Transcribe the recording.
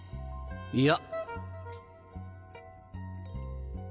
いや。